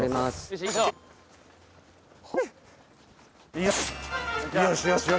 よし。